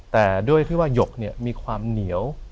แต่ด้วยที่ว่าหยกมีความเหนียว